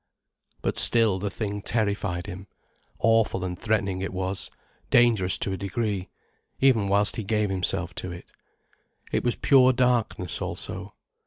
But still the thing terrified him. Awful and threatening it was, dangerous to a degree, even whilst he gave himself to it. It was pure darkness, also.